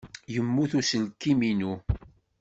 Yemmut uselkim-inu.